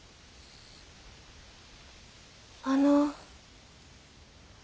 あの。